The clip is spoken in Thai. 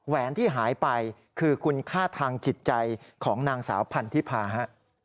แหนที่หายไปคือคุณค่าทางจิตใจของนางสาวพันธิพาฮะ